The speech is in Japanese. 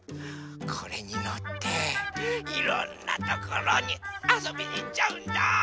これにのっていろんなところにあそびにいっちゃうんだ。